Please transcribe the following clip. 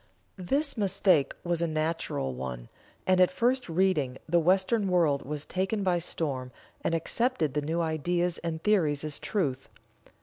This mistake was a natural one, and at first reading the Western world was taken by storm, and accepted the new ideas and theories as Truth.